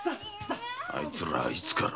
あいつらいつから？